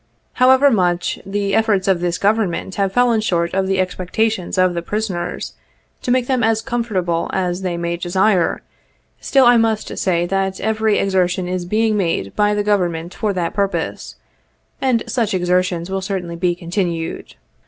" However much the efforts of this Government have fallen short of the expectations of the prisoners, to make them as comfortable as they may desire, still I must say that every exertion is being made by the Government for that purpose, and such exertions will certainly be continued.